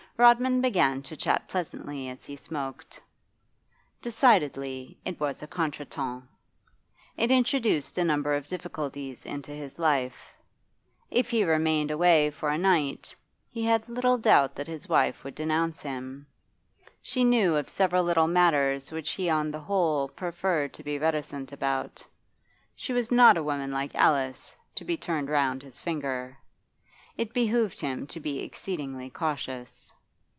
Rodman began to chat pleasantly as he smoked. Decidedly it was a contretemps. It introduced a number of difficulties into his life. If he remained away for a night, he had little doubt that his wife would denounce him; she knew of several little matters which he on the whole preferred to be reticent about. She was not a woman like Alice, to be turned round his finger. It behoved him to be exceedingly cautious.